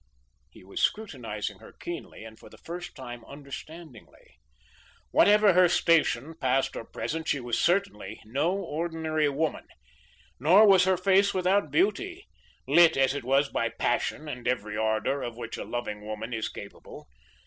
He was scrutinising her keenly and for the first time understandingly. Whatever her station past or present, she was certainly no ordinary woman, nor was her face without beauty, lit as it was by passion and every ardour of which a loving woman is capable.